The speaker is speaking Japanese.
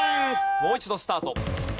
もう一度スタート。